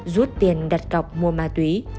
rút tiền đặt cọc mua ma túy